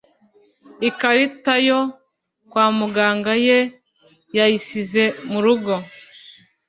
Ikarita yo kwamuganga ye yayisize mu rugo